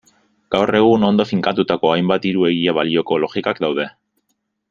Gaur egun ondo finkatutako hainbat hiru egia-balioko logikak daude.